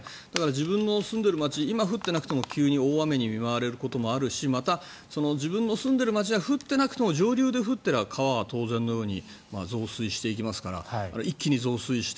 自分の住んでる町今降ってなくても急に大雨に見舞われることもあるし自分の住んでいる町では降っていなくても上流で降っていれば川は当然のように増水していきますから一気に増水して